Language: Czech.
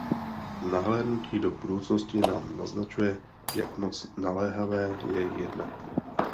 Nahlédnutí do budoucnosti nám naznačuje, jak moc naléhavé je jednat..